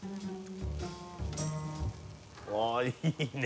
おおいいね。